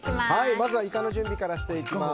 まずはイカの準備からします。